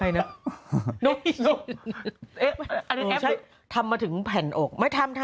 เหมือนไหม